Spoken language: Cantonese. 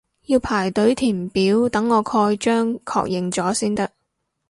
要排隊填表等我蓋章確認咗先得